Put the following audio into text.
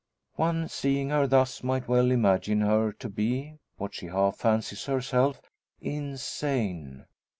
One seeing her thus might well imagine her to be, what she half fancies herself insane!